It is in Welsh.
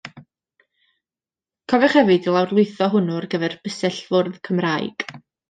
Cofiwch hefyd i lawr lwytho hwnnw ar gyfer bysellfwrdd Cymraeg.